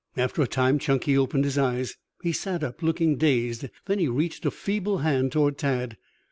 After a time Chunky opened his eyes. He sat up, looking dazed then he reached a feeble hand toward Tad.